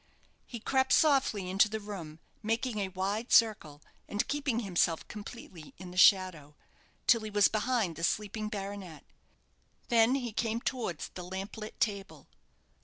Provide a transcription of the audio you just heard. He crept softly into the room, making a wide circle, and keeping himself completely in the shadow, till he was behind the sleeping baronet. Then he came towards the lamp lit table.